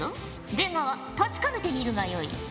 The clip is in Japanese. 出川確かめてみるがよい。